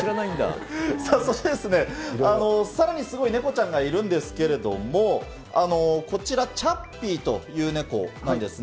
そしてですね、さらにすごいネコちゃんがいるんですけれども、こちら、チャッピーというネコなんですね。